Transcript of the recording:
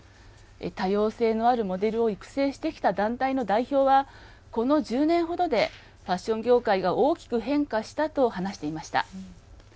多様性のあるモデルを育成してきた団体の代表は、この１０年ほどでファッション業界が大きく変化したと話していました。